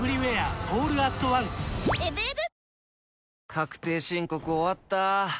確定申告終わった。